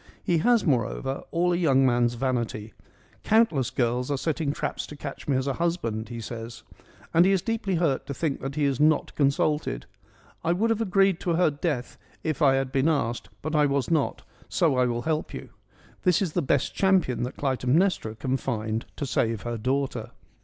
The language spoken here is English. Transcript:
He has moreover, all a young man's vanity. ' Countless girls are setting traps to catch me as husband ' he says ; and he is deeply hurt to think that he is not consulted —' I would have agreed to her death, if I had been asked, but I was not : so I will help you.' 94 FEMINISM IN GREEK LITERATURE This is the best champion that Clytemnestra can find to save her daughter.